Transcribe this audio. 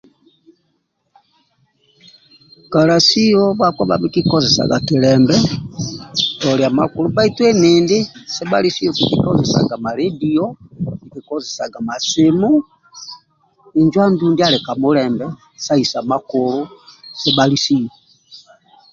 Kalasio bhakpa bhabhi kikozesaga kilembe tolia makulu bhaitu endindi siebhalisiyo kikikozesaga ma lediyo, kikikozesaga ma simu injo andu ndia ali ka mulembe sa isa makulu siebhalisiyo